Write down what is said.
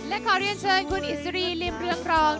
และขอเรียนเชิญคุณอิสรีริมเรืองรอง